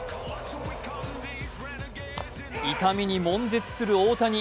痛みにもん絶する大谷。